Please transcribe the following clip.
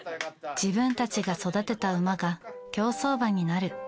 自分たちが育てた馬が競走馬になる。